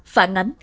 phản ánh làm tự